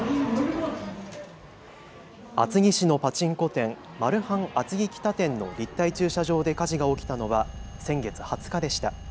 厚木市のパチンコ店、マルハン厚木北店の立体駐車場で火事が起きたのは先月２０日でした。